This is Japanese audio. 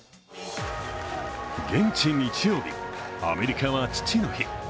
現地日曜日、アメリカは父の日。